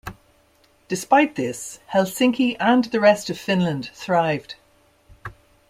Despite this, Helsinki and the rest of Finland thrived.